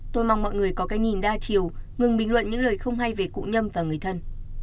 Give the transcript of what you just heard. tôi mong mọi người có cái nhìn đa chiều ngừng bình luận những lời không hay về cụ nhâm và người thân